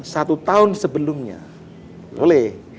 satu tahun sebelumnya boleh